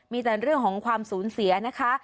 มีแต่เรื่องของความสูญเสียนะคะ